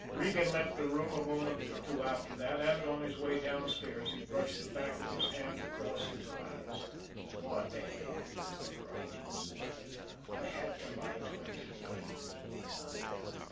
Regan left the room a moment or two after that, and on his way downstairs he brushed the back of his hand across his eyes. "What the hell!" he growled to himself. "I had to lie to him, didn't I?"